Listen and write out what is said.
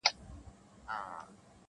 ستا د علم او منطق سره ده سمه -